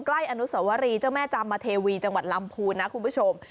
อนุสวรีเจ้าแม่จามเทวีจังหวัดลำพูนนะคุณผู้ชม